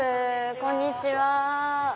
こんにちは。